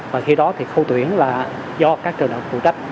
và khi đó thì khâu tuyển là do các trường đại học phụ trách